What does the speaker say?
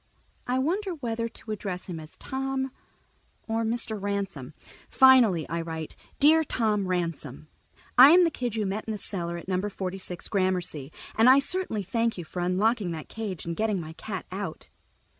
I wonder whether to address him as "Tom" or "Mr. Ransom." Finally I write: Dear Tom Ransom: _I am the kid you met in the cellar at Number Forty six Gramercy, and I certainly thank you for unlocking that cage and getting my cat out.